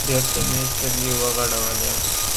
بېرته مې سترگې وغړولې.